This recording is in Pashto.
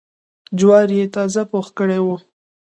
جواري یې تازه پوخ کړی و.